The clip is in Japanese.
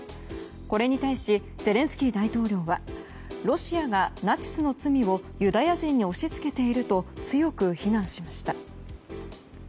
これに対しゼレンスキー大統領はロシアがナチスの罪をユダヤ人に押し付けていると強く非難しました。